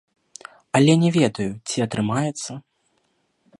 Але не ведаю, ці атрымаецца.